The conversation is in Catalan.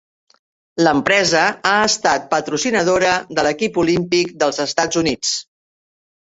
L'empresa ha estat patrocinadora de l'equip olímpic dels Estats Units.